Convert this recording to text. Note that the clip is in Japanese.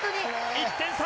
１点差！